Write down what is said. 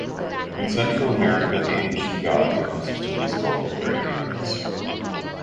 In Central America the ancient gods are consistently sculpted wearing aprons.